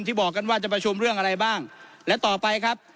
บอกกันว่าจะประชุมเรื่องอะไรบ้างและต่อไปครับ